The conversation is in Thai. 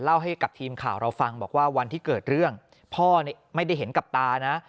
เล่าให้กับทีมข่าวเราฟังบอกว่าวันที่เกิดเรื่องพ่อไม่ได้เห็นกับตานะ